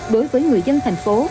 đối với người dân thành phố